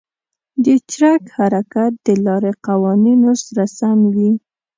د ټرک حرکت د لارې قوانینو سره سم وي.